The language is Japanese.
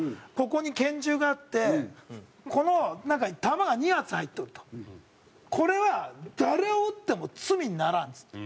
「ここに拳銃があってこの中に弾が２発入っとる」と「これは誰を撃っても罪にならん」っつって。